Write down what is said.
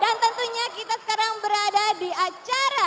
dan tentunya kita sekarang berada di acara